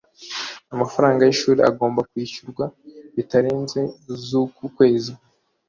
amafaranga yishuri agomba kwishyurwa bitarenze zuku kwezi